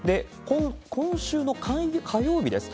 今週の火曜日です。